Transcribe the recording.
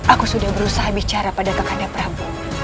aku sudah berusaha bicara pada kandah prabu